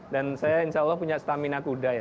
dan saya insya allah punya stamina kuda ya